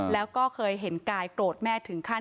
แล้วก็เคยเห็นกายโกรธแม่ถึงขั้น